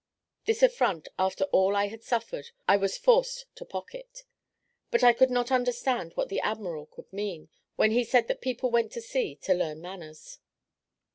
This affront, after all I had suffered, I was forced to pocket; but I could not understand what the admiral could mean, when he said that people went to sea "to learn manners."